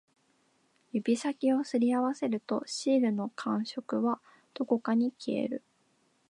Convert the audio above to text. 指先を擦り合わせると、シールの感触はどこかに消える